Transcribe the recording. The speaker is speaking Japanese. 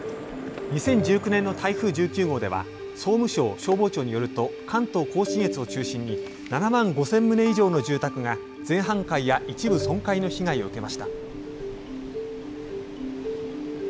２０１９年の台風１９号では総務省消防庁によると関東・甲信越を中心に７万５０００棟以上の住宅が全半壊や一部損壊の被害を受けました。